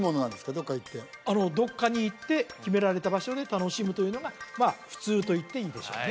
どっか行ってあのどっかに行って決められた場所で楽しむというのがまあ普通といっていいでしょうね